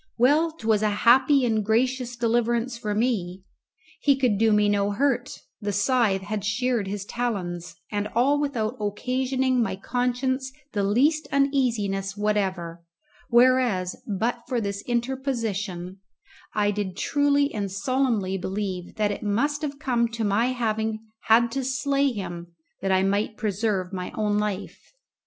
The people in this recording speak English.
Well, 'twas a happy and gracious deliverance for me. He could do me no hurt; the scythe had sheared his talons, and all without occasioning my conscience the least uneasiness whatever: whereas, but for this interposition, I did truly and solemnly believe that it must have come to my having had to slay him that I might preserve my own life.